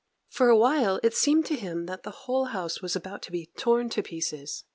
For a while it seemed to him that the whole house was about to be torn to pieces.